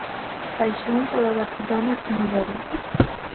Paixón polo Barcelona en Liberia.